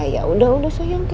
ya udah udah sayang